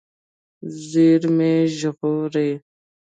زیرمې ژغورئ.